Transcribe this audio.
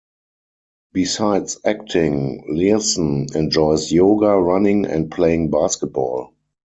Besides acting, Leerhsen enjoys yoga, running, and playing basketball.